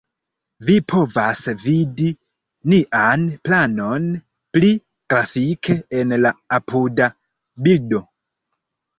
Vi povas vidi nian planon pli grafike en la apuda bildo.